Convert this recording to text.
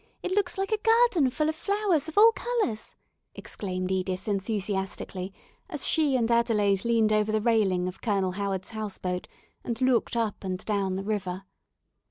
It looks like a garden full of flowers of all colours," exclaimed Edith, enthusiastically, as she and Adelaide leaned over the railing of Colonel Howard's house boat, and looked up and down the river.